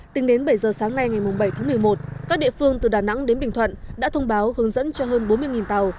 tính đến bảy giờ sáng nay ngày bảy tháng một mươi một các địa phương từ đà nẵng đến bình thuận đã thông báo hướng dẫn cho hơn bốn mươi tàu